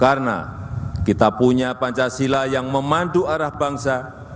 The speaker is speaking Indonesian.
karena kita punya pancasila yang memandu arah bangsa